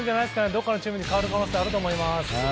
どこかのチームに変わる可能性あると思います。